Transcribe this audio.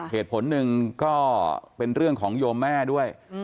เหตุผลหนึ่งก็เป็นเรื่องของโยมแม่ด้วย